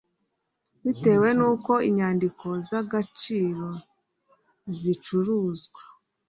Bitewe n uko inyandiko z agaciro zicuruzwa